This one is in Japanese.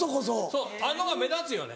そうあの方が目立つよね。